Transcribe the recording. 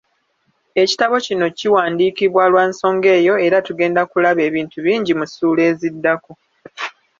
Ekitabo kino kiwandiikiddwa lwa nsonga eyo era tugenda kulaba ebintu bingi mu ssuula eziddako